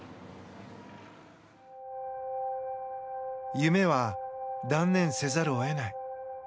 夢は断念せざるを得ない。